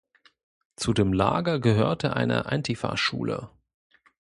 Zu dem Lager gehörte eine Antifa-Schule.